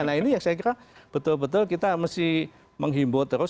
nah ini yang saya kira betul betul kita mesti menghimbau terus